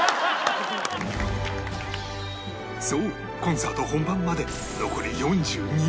そうコンサート本番まで残り４２日